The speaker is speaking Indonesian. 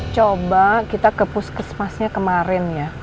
coba kita ke puskesmasnya kemarin ya